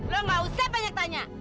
lo gak usah banyak tanya